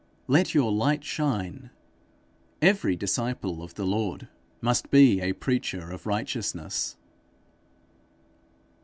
Let your light shine.' Every disciple of the Lord must be a preacher of righteousness.